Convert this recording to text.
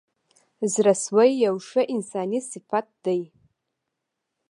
زړه سوی یو ښه انساني صفت دی.